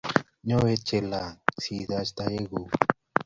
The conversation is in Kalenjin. Nyon we chelalang' si taach taek kuk.